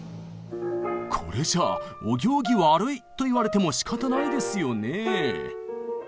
これじゃあお行儀悪いと言われてもしかたないですよねえ。